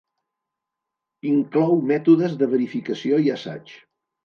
Inclou mètodes de verificació i assaig.